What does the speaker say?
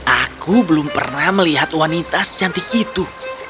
aku belum pernah melihat wanita secantik itu